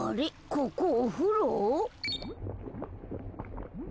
ここおふろ？